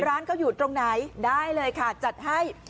ร้านเขาอยู่ตรงไหนได้เลยค่ะจัดให้